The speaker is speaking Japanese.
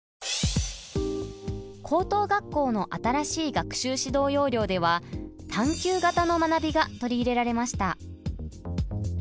高等学校の新しい学習指導要領では探究型の学びが取り入れられました。